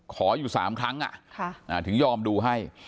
ขออยู่๓ครั้งถึงยอมดูให้